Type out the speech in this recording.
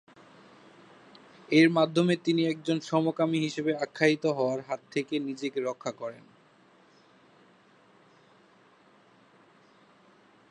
এর মাধ্যমে তিনি একজন সমকামী হিসেবে আখ্যায়িত হওয়ার হাত থেকে নিজেকে রক্ষা করেন।